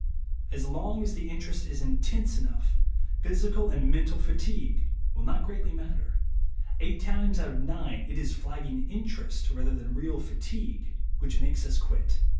As long as the interest is intense enough, physical and mental fatigue will not greatly matter. Eight times out of nine it is flagging interest, rather than real fatigue, which makes us quit.